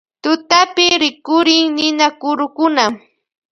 Tutapi rikurin ninakurukuna.